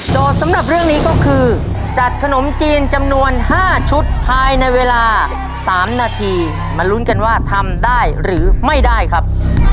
สำหรับเรื่องนี้ก็คือจัดขนมจีนจำนวน๕ชุดภายในเวลา๓นาทีมาลุ้นกันว่าทำได้หรือไม่ได้ครับ